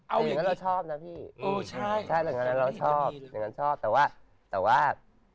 เอาที่เราชอบนะพี่ผู้ชินใช้อยากแล้วเราชอบเลือนชอบแล้วว่าแต่ว่า